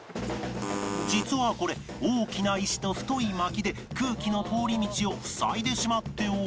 実はこれ大きな石と太い薪で空気の通り道を塞いでしまっており